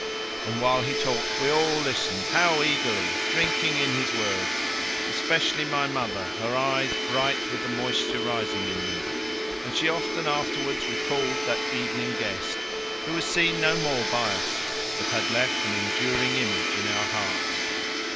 And while he talked we all listened how eagerly! drinking in his words, especially my mother, her eyes bright with the moisture rising in them; and she often afterwards recalled that evening guest, who was seen no more by us but had left an enduring image in our hearts.